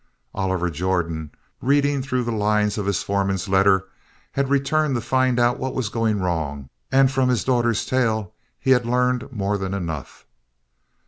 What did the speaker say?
Oliver Jordan, reading through the lines of his foreman's letter, had returned to find out what was going wrong, and from his daughter's tale he had learned more than enough.